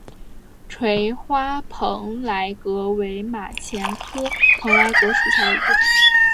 垂花蓬莱葛为马钱科蓬莱葛属下的一个种。